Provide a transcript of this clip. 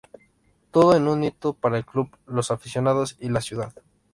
Todo un hito para el club, los aficionados y la ciudad.